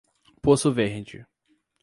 Poço Verde